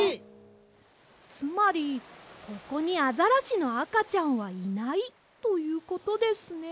つまりここにアザラシのあかちゃんはいないということですね。